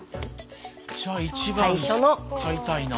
じゃあ１番買いたいな。